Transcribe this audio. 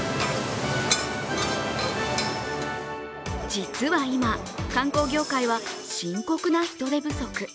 実は今、観光業界は深刻な人手不足。